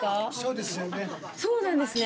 そうなんですね。